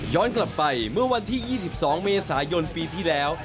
กลับไปเมื่อวันที่๒๒เมษายนปีที่แล้ว